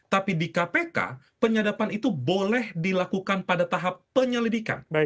tapi di kpk penyadapan itu boleh dilakukan pada tahap penyelidikan